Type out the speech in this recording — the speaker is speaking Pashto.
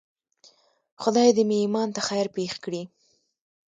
خدای دې مې ایمان ته خیر پېښ کړي.